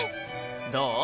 どう？